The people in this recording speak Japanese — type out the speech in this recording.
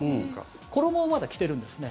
衣をまだ着てるんですね。